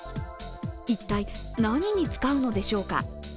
一体、何に使うのでしょうか。